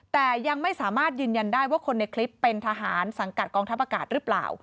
แต่ยังไม่สามารถยืนยันได้ว่าคนในคลิปเป็นทหารสังกัดกองทัพอากาศหรือเปล่า